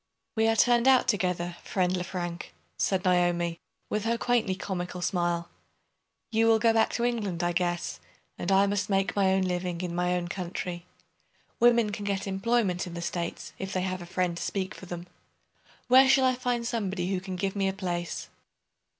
"We are turned out together, friend Lefrank," said Naomi, with her quaintly comical smile. "You will go back to England, I guess; and I must make my own living in my own country. Women can get employment in the States if they have a friend to speak for them. Where shall I find somebody who can give me a place?"